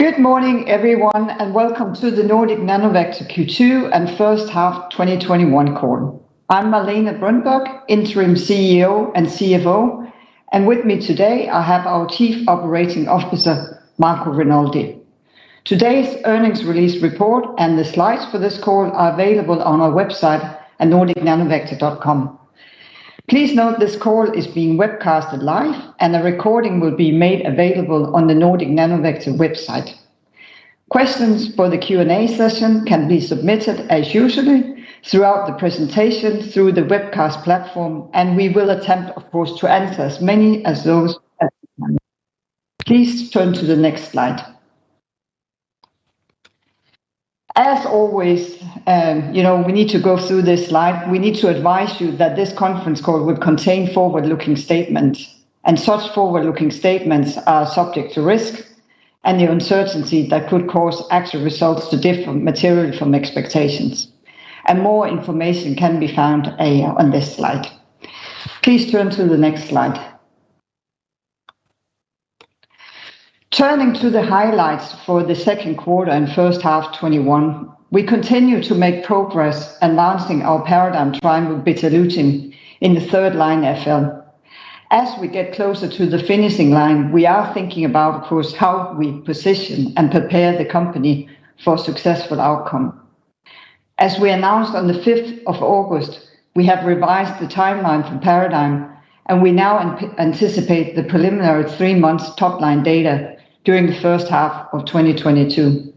Good morning everyone, and welcome to the Nordic Nanovector Q2 and First Half 2021 call. I'm Malene Brondberg, Interim CEO and CFO, and with me today I have our Chief Operating Officer, Marco Renoldi. Today's earnings release report and the slides for this call are available on our website at nordicnanovector.com. Please note this call is being webcast live, and a recording will be made available on the Nordic Nanovector website. Questions for the Q&A session can be submitted as usual throughout the presentation through the webcast platform, and we will attempt, of course, to answer as many as those as we can. Please turn to the next slide. As always, we need to go through this slide. We need to advise you that this conference call will contain forward-looking statements, and such forward-looking statements are subject to risk and the uncertainty that could cause actual results to differ materially from expectations. More information can be found on this slide. Please turn to the next slide. Turning to the highlights for the second quarter and first half 2021. We continue to make progress announcing our PARADIGME trial with Betalutin in the third-line FL. As we get closer to the finishing line, we are thinking about, of course, how we position and prepare the company for a successful outcome. As we announced on the August 5th, we have revised the timeline for PARADIGME, and we now anticipate the preliminary three months top-line data during the first half of 2022.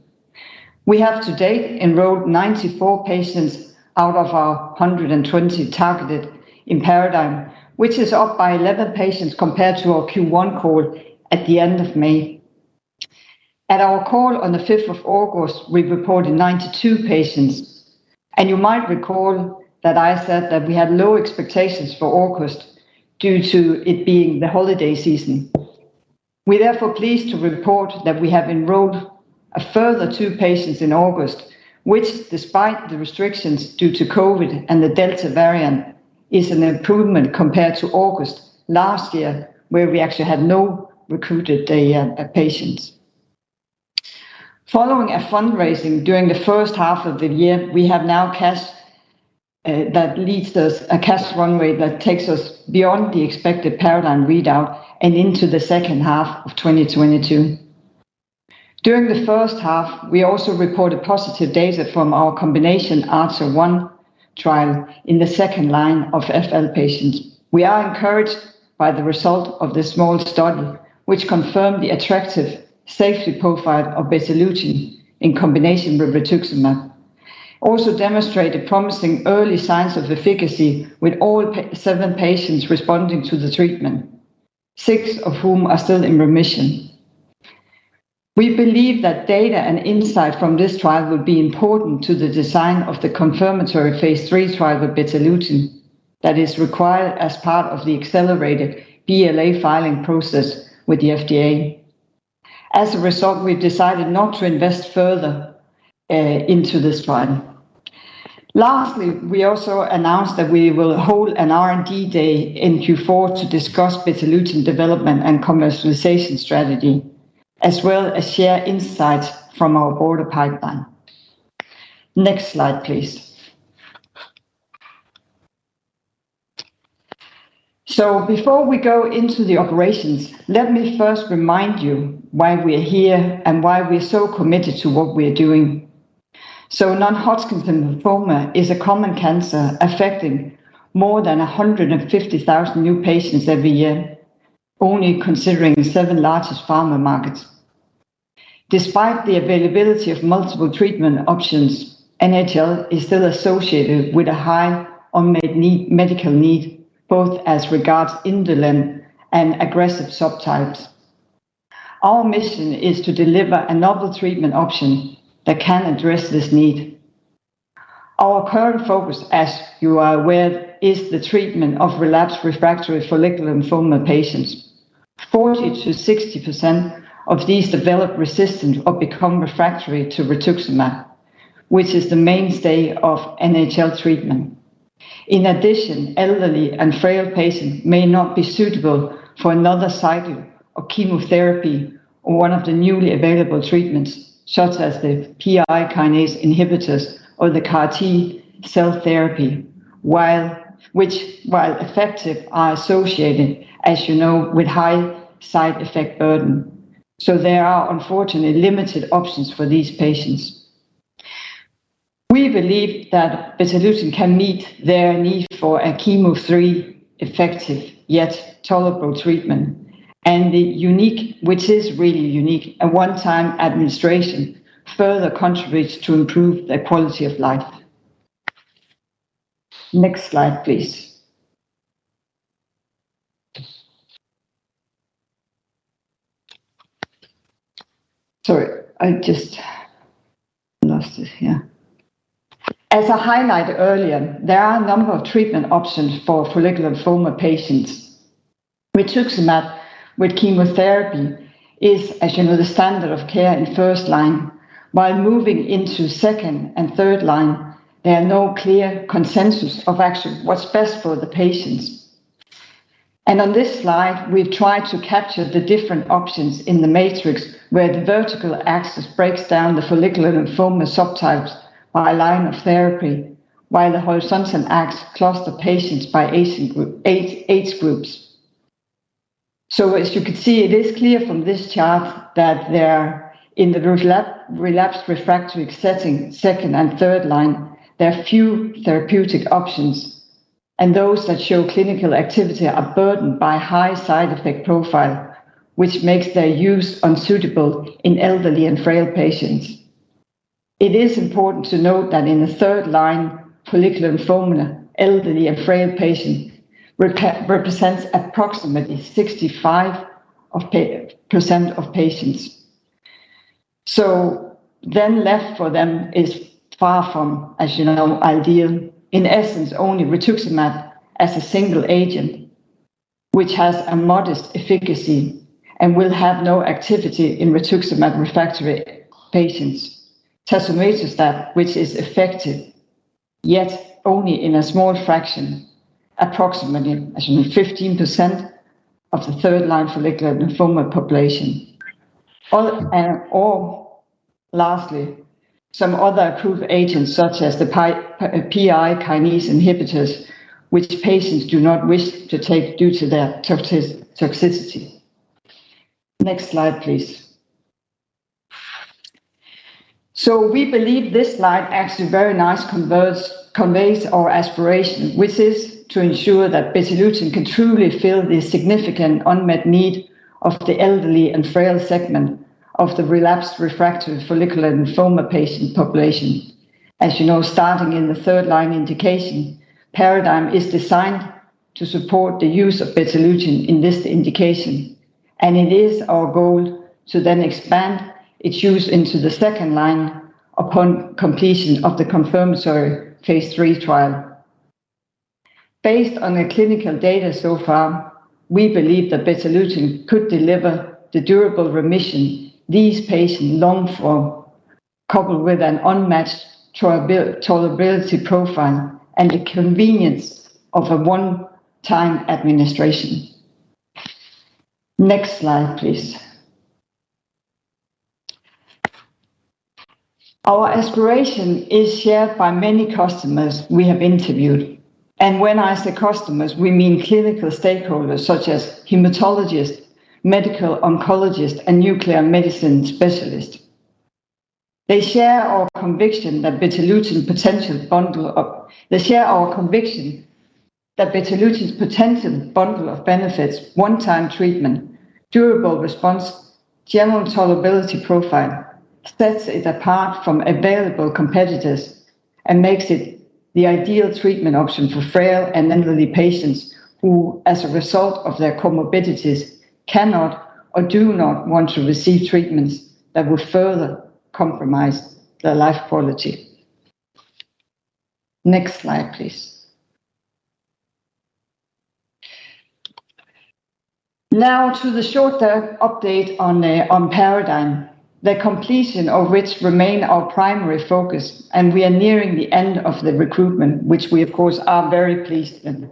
We have to date enrolled 94 patients out of our 120 targeted in PARADIGME, which is up by 11 patients compared to our Q1 call at the end of May. You might recall that I said that we had low expectations for August due to it being the holiday season. We are therefore pleased to report that we have enrolled a further two patients in August, which despite the restrictions due to COVID and the Delta variant, is an improvement compared to August last year, where we actually had no recruited patients. Following a fundraising during the first half of the year, we have now cash that leads us a cash runway that takes us beyond the expected PARADIGME readout and into the second half of 2022. During the first half, we also reported positive data from our combination Archer-1 trial in the second-line of FL patients. We are encouraged by the result of this small study, which confirmed the attractive safety profile of Betalutin in combination with rituximab. Also demonstrated promising early signs of efficacy with all seven patients responding to the treatment, six of whom are still in remission. We believe that data and insight from this trial will be important to the design of the confirmatory phase III trial of Betalutin that is required as part of the Accelerated Approval BLA filing process with the FDA. As a result, we've decided not to invest further into this trial. Lastly, we also announced that we will hold an R&D Day in Q4 to discuss Betalutin development and commercialization strategy, as well as share insights from our broader pipeline. Next slide, please. Before we go into the operations, let me first remind you why we are here and why we're so committed to what we're doing. Non-Hodgkin lymphoma is a common cancer affecting more than 150,000 new patients every year, only considering the seven largest pharma markets. Despite the availability of multiple treatment options, NHL is still associated with a high unmet medical need, both as regards indolent and aggressive subtypes. Our mission is to deliver a novel treatment option that can address this need. Our current focus, as you are aware, is the treatment of relapsed refractory follicular lymphoma patients. 40%-60% of these develop resistance or become refractory to rituximab, which is the mainstay of NHL treatment. In addition, elderly and frail patients may not be suitable for another cycle of chemotherapy or one of the newly available treatments, such as the PI3K inhibitors or the CAR T-cell therapy which while effective, are associated, as you know, with high side effect burden. There are unfortunately limited options for these patients. We believe that Betalutin can meet their need for a chemo-free effective yet tolerable treatment, and the unique, which is really unique, a one-time administration further contributes to improve their quality of life. Next slide, please. Sorry, I just lost it here. As I highlighted earlier, there are a number of treatment options for follicular lymphoma patients. rituximab with chemotherapy is, as you know, the standard of care in first line. While moving into second and third line, there are no clear consensus of actually what's best for the patients. On this slide, we've tried to capture the different options in the matrix, where the vertical axis breaks down the follicular lymphoma subtypes by line of therapy, while the horizontal axis clusters patients by age groups. As you can see, it is clear from this chart that in the relapsed refractory setting, second and third line, there are few therapeutic options, and those that show clinical activity are burdened by high side effect profile, which makes their use unsuitable in elderly and frail patients. It is important to note that in the third line follicular lymphoma, elderly and frail patients represents approximately 65% of patients. Left for them is far from, as you know, ideal. In essence, only rituximab as a single agent, which has a modest efficacy and will have no activity in rituximab refractory patients. tazemetostat, which is effective, yet only in a small fraction, approximately 15% of the third line follicular lymphoma population. Lastly, some other approved agents such as the PI3K inhibitors, which patients do not wish to take due to their toxicity. Next slide, please. We believe this slide actually very nice conveys our aspiration, which is to ensure that Betalutin can truly fill the significant unmet need of the elderly and frail segment of the relapsed refractory follicular lymphoma patient population. As you know, starting in the third line indication, PARADIGME is designed to support the use of Betalutin in this indication, and it is our goal to then expand its use into the second line upon completion of the confirmatory phase III trial. Based on the clinical data so far, we believe that Betalutin could deliver the durable remission these patients long for, coupled with an unmatched tolerability profile and the convenience of a one-time administration. Next slide, please. When I say customers, we mean clinical stakeholders such as hematologists, medical oncologists, and nuclear medicine specialists. They share our conviction that Betalutin's potential bundle of benefits, one-time treatment, durable response, general tolerability profile, sets it apart from available competitors and makes it the ideal treatment option for frail and elderly patients who, as a result of their comorbidities, cannot or do not want to receive treatments that will further compromise their life quality. Next slide, please. Now to the shorter update on PARADIGME, the completion of which remain our primary focus, and we are nearing the end of the recruitment, which we of course are very pleased with.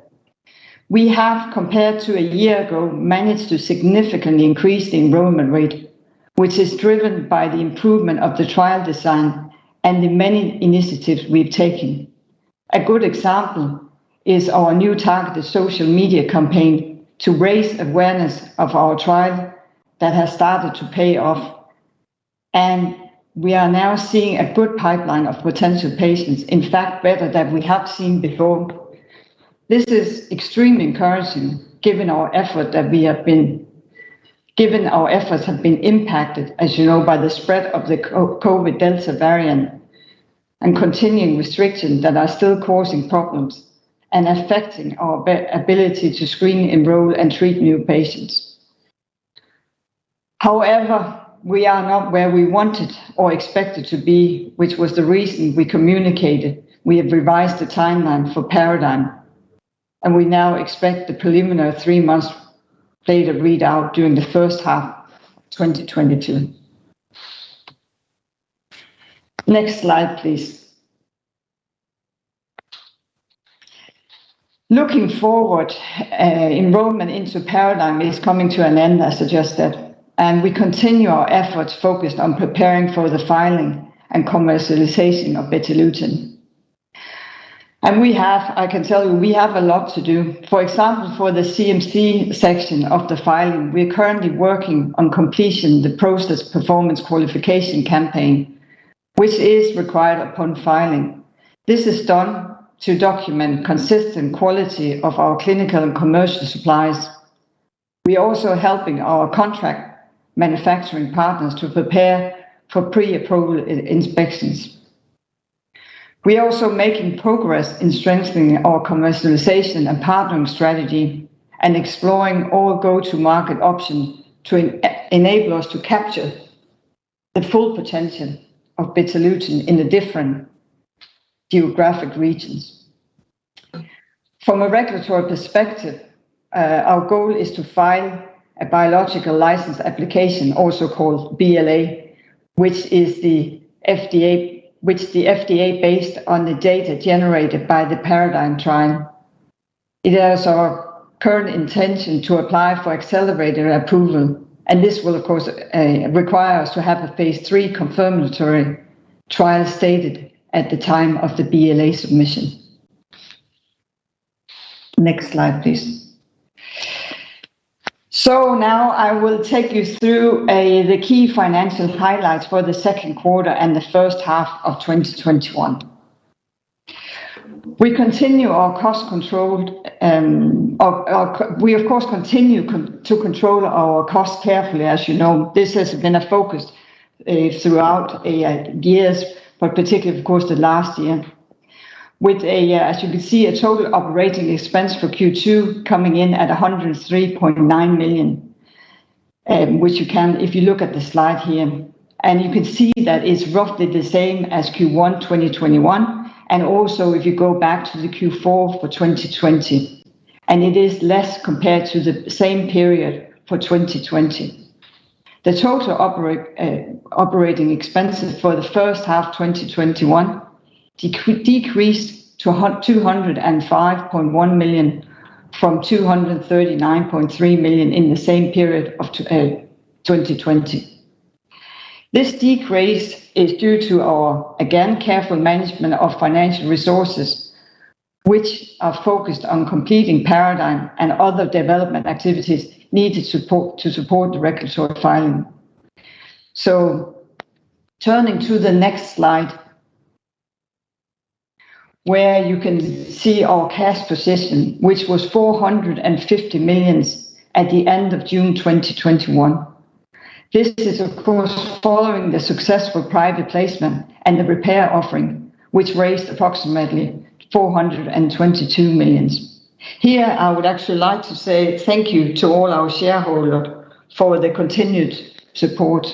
We have, compared to a year ago, managed to significantly increase the enrollment rate, which is driven by the improvement of the trial design and the many initiatives we've taken. A good example is our new targeted social media campaign to raise awareness of our trial that has started to pay off, and we are now seeing a good pipeline of potential patients, in fact, better than we have seen before. This is extremely encouraging given our efforts have been impacted, as you know, by the spread of the COVID Delta variant and continuing restrictions that are still causing problems and affecting our ability to screen, enroll, and treat new patients. However, we are not where we wanted or expected to be, which was the reason we communicated we have revised the timeline for PARADIGME, and we now expect the preliminary three months data readout during the first half of 2022. Next slide, please. Looking forward, enrollment into PARADIGME is coming to an end, as suggested. We continue our efforts focused on preparing for the filing and commercialization of Betalutin. We have, I can tell you, we have a lot to do. For example, for the CMC section of the filing, we are currently working on completing the Process Performance Qualification campaign, which is required upon filing. This is done to document consistent quality of our clinical and commercial supplies. We are also helping our contract manufacturing partners to prepare for pre-approval inspections. We are also making progress in strengthening our commercialization and partnering strategy and exploring all go-to-market options to enable us to capture the full potential of Betalutin in the different geographic regions. From a regulatory perspective, our goal is to file a Biologics License Application, also called BLA, which the FDA based on the data generated by the PARADIGME trial. It is our current intention to apply for Accelerated Approval, and this will, of course, require us to have a phase III confirmatory trial stated at the time of the BLA submission. Next slide, please. Now I will take you through the key financial highlights for the second quarter and the first half of 2021. We of course, continue to control our costs carefully. As you know, this has been a focus throughout years, but particularly, of course, the last year with, as you can see, a total operating expense for Q2 coming in at 103.9 million, which you can, if you look at the slide here, and you can see that it's roughly the same as Q1 2021. Also if you go back to the Q4 for 2020, and it is less compared to the same period for 2020. The total operating expenses for the first half 2021 decreased to 205.1 million from 239.3 million in the same period of 2020. This decrease is due to our, again, careful management of financial resources, which are focused on completing PARADIGME and other development activities needed to support the regulatory filing. Turning to the next slide, where you can see our cash position, which was 450 million at the end of June 2021. This is, of course, following the successful private placement and the repair offering, which raised approximately 422 million. Here, I would actually like to say thank you to all our shareholders for their continued support.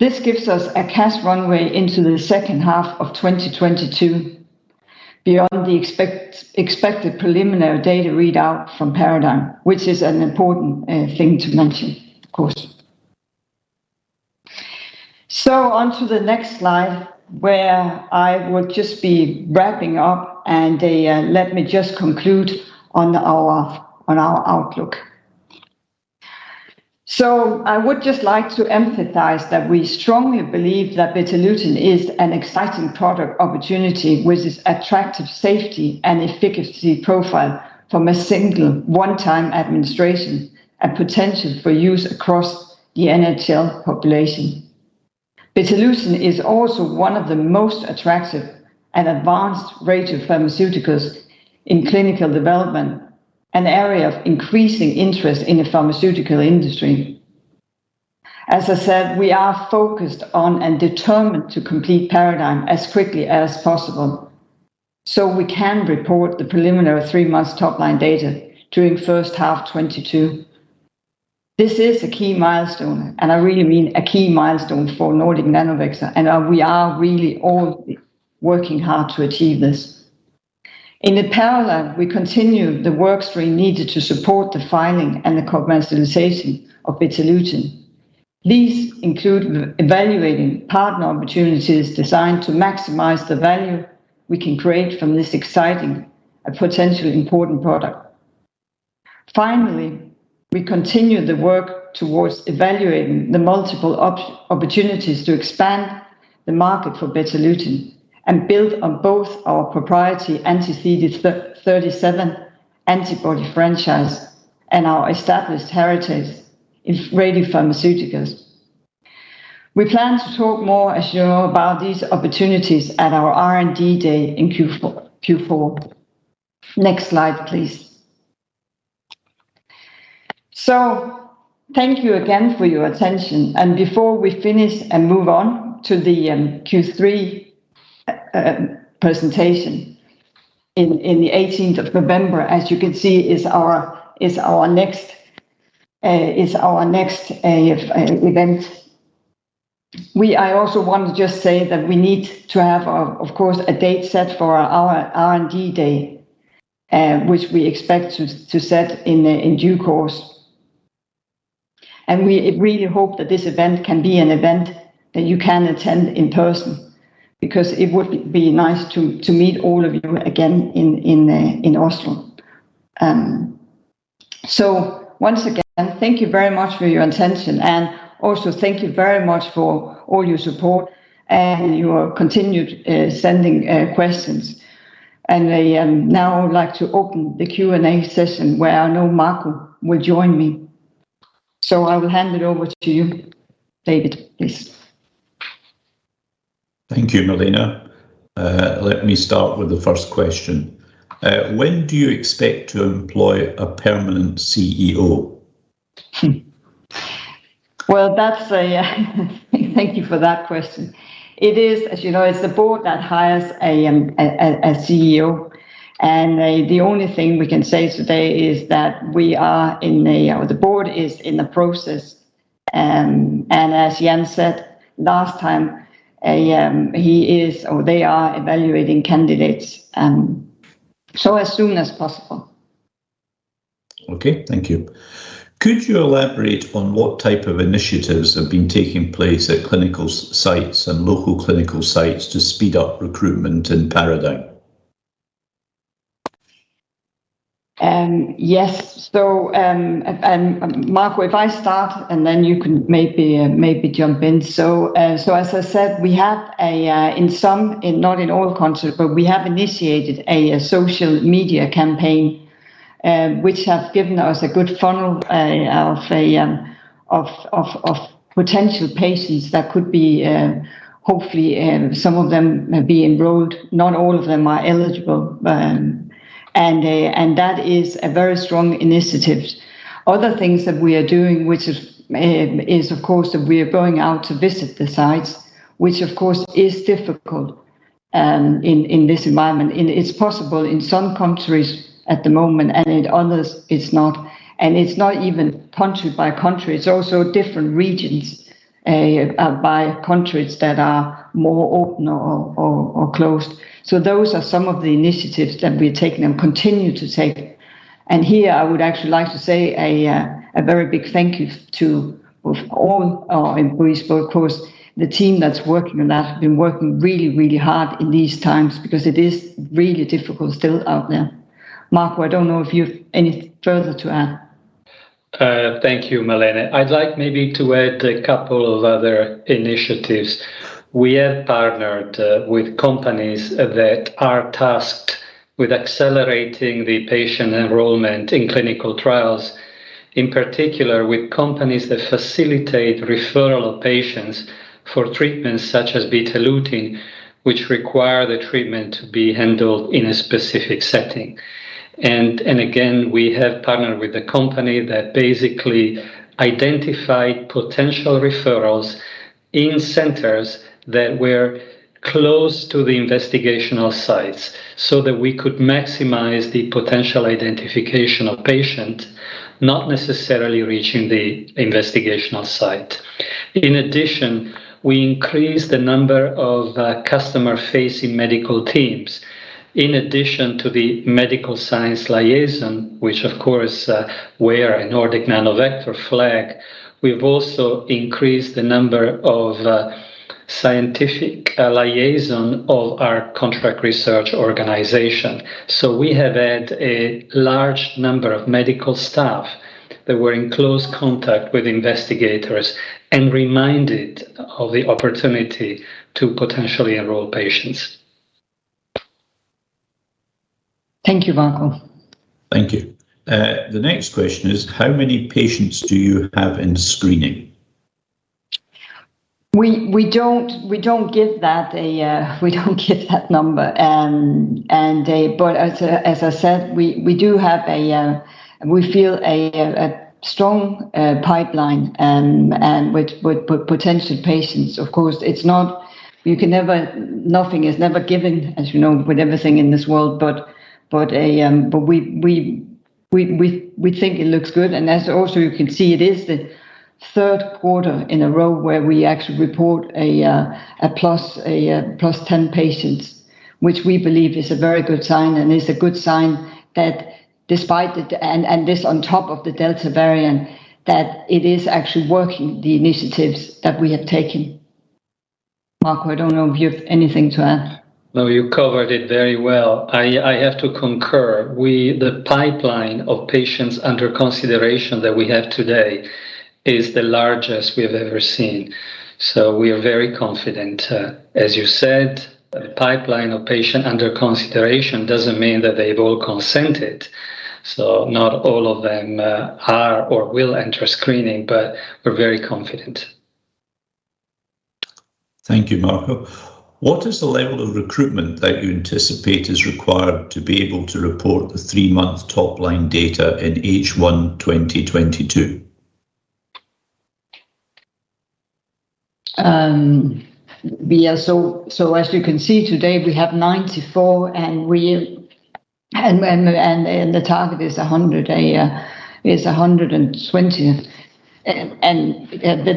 This gives us a cash runway into the second half of 2022 beyond the expected preliminary data readout from PARADIGME, which is an important thing to mention, of course. Onto the next slide, where I would just be wrapping up and let me just conclude on our outlook. I would just like to emphasize that we strongly believe that Betalutin is an exciting product opportunity with its attractive safety and efficacy profile from a single one-time administration and potential for use across the NHL population. Betalutin is also one of the most attractive and advanced radiopharmaceuticals in clinical development, an area of increasing interest in the pharmaceutical industry. As I said, we are focused on and determined to complete PARADIGME as quickly as possible so we can report the preliminary three-month top-line data during first half 2022. This is a key milestone, and I really mean a key milestone, for Nordic Nanovector, and we are really all working hard to achieve this. In parallel, we continue the workstream needed to support the filing and the commercialization of Betalutin. These include evaluating partner opportunities designed to maximize the value we can create from this exciting and potentially important product. Finally, we continue the work towards evaluating the multiple opportunities to expand the market for Betalutin and build on both our proprietary anti-CD37 antibody franchise and our established heritage in radiopharmaceuticals. We plan to talk more, as you know, about these opportunities at our R&D Day in Q4. Next slide, please. Thank you again for your attention. Before we finish and move on to the Q3 presentation in the November 18th, as you can see is our next event. I also want to just say that we need to have, of course, a date set for our R&D Day, which we expect to set in due course. We really hope that this event can be an event that you can attend in person, because it would be nice to meet all of you again in Oslo. Once again, thank you very much for your attention, and also thank you very much for all your support and your continued sending questions. Now I would like to open the Q&A session where I know Marco will join me. I will hand it over to you, David, please. Thank you, Malene. Let me start with the first question. When do you expect to employ a permanent CEO? Well, thank you for that question. It is, as you know, the Board that hires a CEO, and the only thing we can say today is that the board is in the process. As Jan said last time, they are evaluating candidates. As soon as possible. Okay. Thank you. Could you elaborate on what type of initiatives have been taking place at clinical sites and local clinical sites to speed up recruitment in PARADIGME? Yes. Marco, if I start and then you can maybe jump in. As I said, we have in some, not in all countries, but we have initiated a social media campaign, which has given us a good funnel of potential patients that could be hopefully some of them may be enrolled. Not all of them are eligible, and that is a very strong initiative. Other things that we are doing, which is of course that we are going out to visit the sites, which of course is difficult in this environment. It's possible in some countries at the moment, and in others it's not. It's not even country by country, it's also different regions by countries that are more open or closed. Those are some of the initiatives that we're taking and continue to take. Here I would actually like to say a very big thank you to all our employees, but of course the team that's working on that have been working really, really hard in these times because it is really difficult still out there. Marco, I don't know if you've anything further to add? Thank you, Malene. I'd like maybe to add a couple of other initiatives. We have partnered with companies that are tasked with accelerating the patient enrollment in clinical trials, in particular with companies that facilitate referral of patients for treatments such as Betalutin, which require the treatment to be handled in a specific setting. Again, we have partnered with a company that basically identified potential referrals in centers that were close to the investigational sites so that we could maximize the potential identification of patient, not necessarily reaching the investigational site. In addition, we increased the number of customer-facing medical teams. In addition to the medical science liaison, which of course wear a Nordic Nanovector flag, we've also increased the number of scientific liaison of our contract research organization. We have had a large number of medical staff that were in close contact with investigators and reminded of the opportunity to potentially enroll patients. Thank you, Marco. Thank you. The next question is: how many patients do you have in screening? We don't give that number. As I said, we feel a strong pipeline with potential patients. Of course, nothing is never given, as you know, with everything in this world, but we think it looks good. As also you can see, it is the third quarter in a row where we actually report a +10 patients, which we believe is a very good sign and is a good sign that despite, and this on top of the Delta variant, that it is actually working, the initiatives that we have taken. Marco, I don't know if you have anything to add. No, you covered it very well. I have to concur. The pipeline of patients under consideration that we have today is the largest we have ever seen. We are very confident. As you said, the pipeline of patients under consideration doesn't mean that they've all consented. Not all of them are or will enter screening. We're very confident. Thank you, Marco. What is the level of recruitment that you anticipate is required to be able to report the three-month top line data in H1 2022? As you can see today we have 94, and the target is 120. The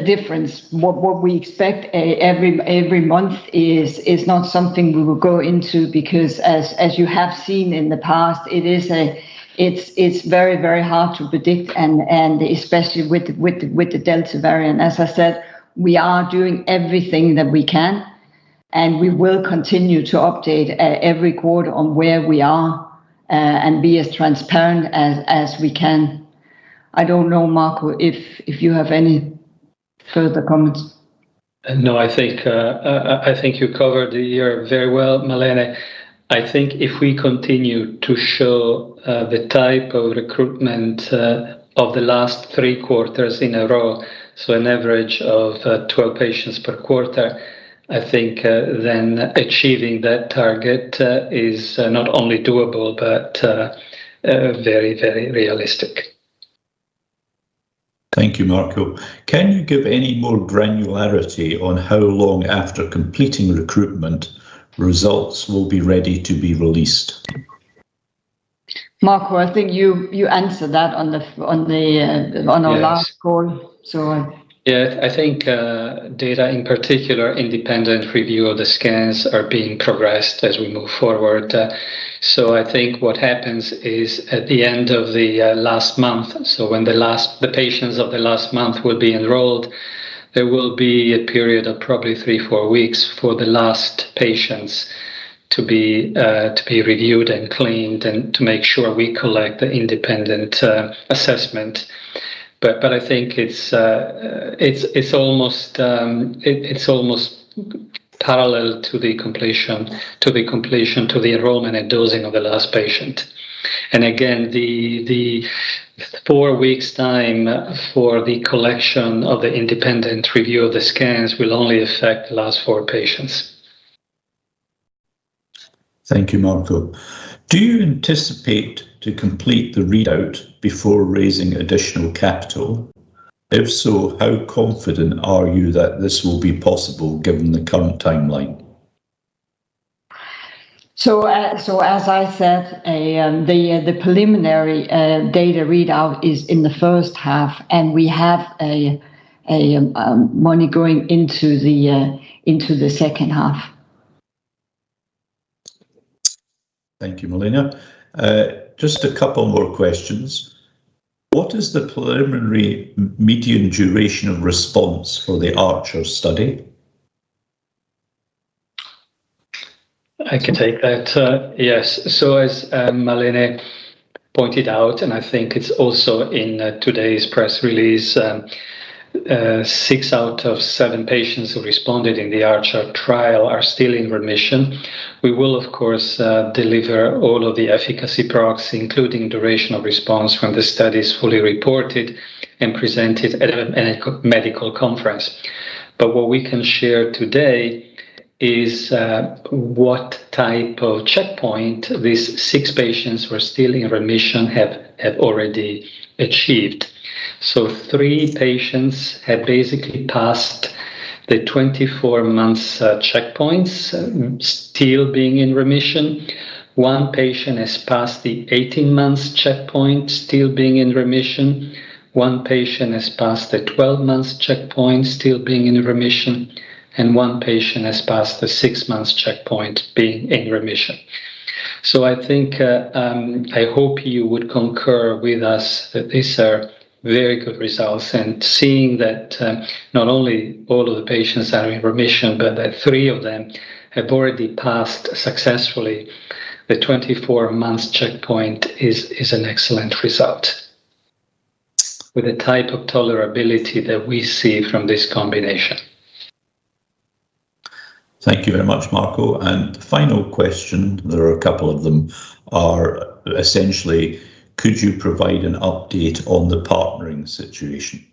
difference, what we expect every month is not something we will go into because as you have seen in the past, it's very, very hard to predict, and especially with the Delta variant. As I said, we are doing everything that we can, and we will continue to update every quarter on where we are, and be as transparent as we can. I don't know, Marco, if you have any further comments. I think you covered it very well, Malene. I think if we continue to show the type of recruitment of the last three quarters in a row, so an average of 12 patients per quarter, I think then achieving that target is not only doable but very, very realistic. Thank you, Marco. Can you give any more granularity on how long after completing recruitment results will be ready to be released? Marco, I think you answered that on our last call. Yes. I think data in particular, independent review of the scans are being progressed as we move forward. I think what happens is at the end of the last month, so when the patients of the last month will be enrolled, there will be a period of probably three, four weeks for the last patients to be reviewed and cleaned and to make sure we collect the independent assessment. I think it's almost parallel to the completion, to the enrollment and dosing of the last patient. Again, the four weeks time for the collection of the independent review of the scans will only affect the last four patients. Thank you, Marco. Do you anticipate to complete the readout before raising additional capital? If so, how confident are you that this will be possible given the current timeline? As I said, the preliminary data readout is in the first half, and we have money going into the second half. Thank you, Malene. Just a couple more questions. What is the preliminary median duration of response for the Archer-1 study? I can take that. Yes. As Malene pointed out, and I think it's also in today's press release, six out of seven patients who responded in the Archer-1 trial are still in remission. We will, of course, deliver all of the efficacy proxy, including duration of response when the study is fully reported and presented at a medical conference. What we can share today is what type of checkpoint these six patients who are still in remission have already achieved. Three patients have basically passed the 24 months checkpoints, still being in remission. One patient has passed the 18 months checkpoint, still being in remission. One patient has passed the 12 months checkpoint, still being in remission, and one patient has passed the six months checkpoint, being in remission. I hope you would concur with us that these are very good results and seeing that not only all of the patients are in remission, but that three of them have already passed successfully the 24 months checkpoint is an excellent result with the type of tolerability that we see from this combination. Thank you very much, Marco. Final question, there are a couple of them, are essentially could you provide an update on the partnering situation?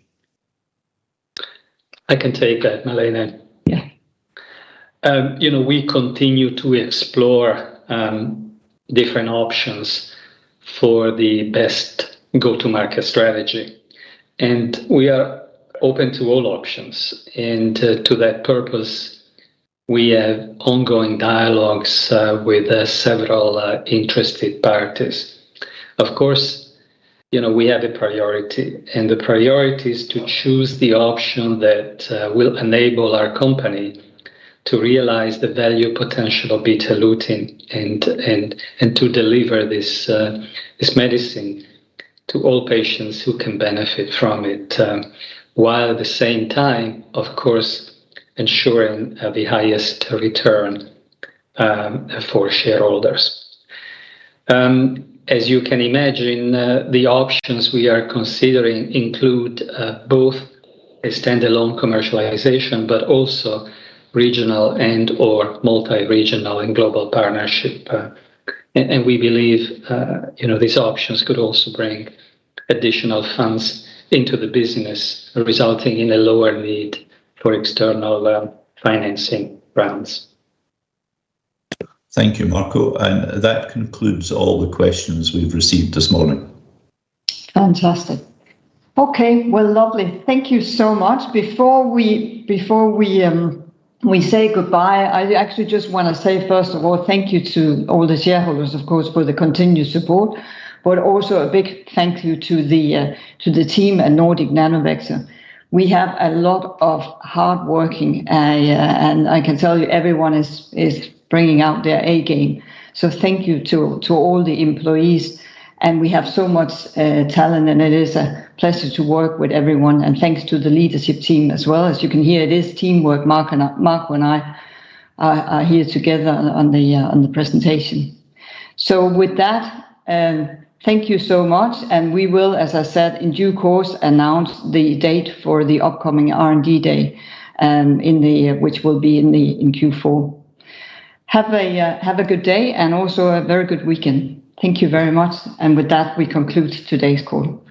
I can take that, Malene. Yeah. We continue to explore different options for the best go-to-market strategy, and we are open to all options. To that purpose, we have ongoing dialogues with several interested parties. Of course, we have a priority, and the priority is to choose the option that will enable our company to realize the value potential of Betalutin and to deliver this medicine to all patients who can benefit from it, while at the same time, of course, ensuring the highest return for shareholders. As you can imagine, the options we are considering include both a standalone commercialization, but also regional and/or multi-regional and global partnership. We believe these options could also bring additional funds into the business, resulting in a lower need for external financing rounds. Thank you, Marco. That concludes all the questions we've received this morning. Fantastic. Okay. Well, lovely. Thank you so much. Before we say goodbye, I actually just want to say, first of all, thank you to all the shareholders, of course, for the continued support, but also a big thank you to the team at Nordic Nanovector. We have a lot of hard working, and I can tell you everyone is bringing out their A game. Thank you to all the employees, and we have so much talent, and it is a pleasure to work with everyone. Thanks to the leadership team as well. As you can hear, it is teamwork. Marco and I are here together on the presentation. With that, thank you so much, and we will, as I said, in due course, announce the date for the upcoming R&D Day which will be in Q4. Have a good day, and also a very good weekend. Thank you very much. With that, we conclude today's call.